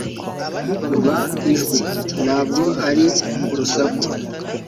Ba ijwi. Ntabwo ari urusaku.